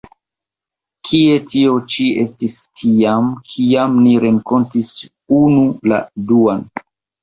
Kie tio ĉi estis tiam, kiam ni renkontis unu la duan?